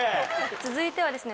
続いてはですね